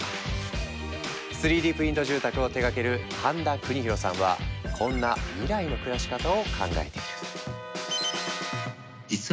３Ｄプリント住宅を手がける飯田国大さんはこんな未来の暮らし方を考えている。